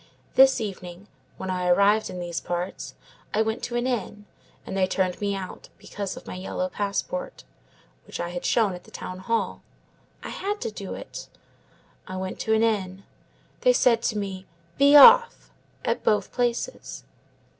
This evening, when I arrived in these parts, I went to an inn, and they turned me out, because of my yellow passport, which I had shown at the town hall. I had to do it. I went to an inn. They said to me, 'Be off,' at both places.